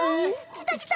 きたきた！